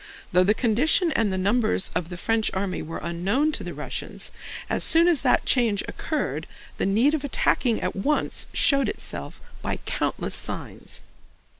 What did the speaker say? Though the condition and numbers of the French army were unknown to the Russians, as soon as that change occurred the need of attacking at once showed itself by countless signs.